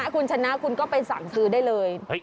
คุณชนะคุณก็ไปสั่งซื้อได้เลย